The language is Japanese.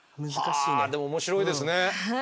はあでも面白いですね。